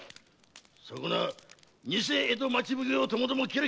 そこな偽江戸町奉行ともども斬れ！